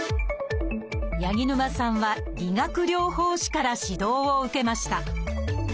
八木沼さんは理学療法士から指導を受けました。